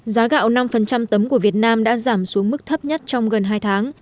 giá gạo năm tấm của việt nam đã giảm xuống mức thấp nhất trong gần hai tháng